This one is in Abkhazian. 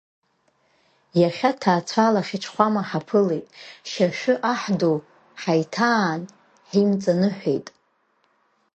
Иаха ҭаацәала Хьачхәама ҳаԥылеит, Шьашәы аҳ ду ҳаиҭаан, ҳимҵаныҳәеит.